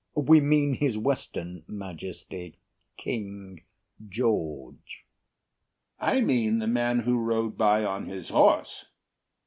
We mean his Western Majesty, King George. HAMILTON I mean the man who rode by on his horse.